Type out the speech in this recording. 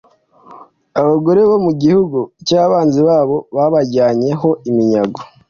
abagore bo mu gihugu cy’abanzi babo babajyanye ho iminyago.